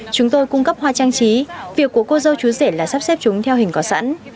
chúng tôi cung cấp hoa trang trí việc của cô dâu chú rể là sắp xếp chúng theo hình có sẵn